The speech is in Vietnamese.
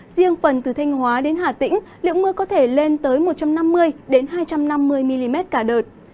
riêng phần từ thanh hóa đến hà tĩnh lượng mưa có thể lên tới một trăm năm mươi hai trăm năm mươi mm cả đợt